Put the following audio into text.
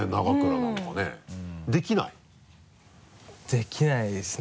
できないですね。